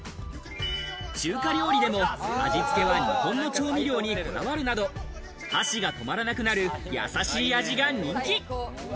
中華料理でも味付けは日本の調味料にこだわるなど、箸が止まらなくなる優しい味が人気。